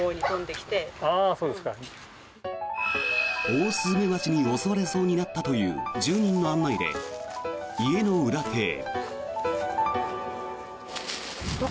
オオスズメバチに襲われそうになったという住人の案内で家の裏手へ。